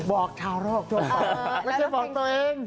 บอกชาวโรคไม่ใช่บอกตัวเอง